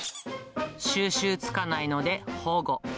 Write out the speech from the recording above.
収拾つかないので、保護。